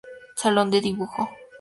Salón de Dibujo.